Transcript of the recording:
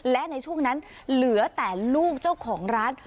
และในช่วงนั้นเหลือแต่ลูกเจ้าของร้าน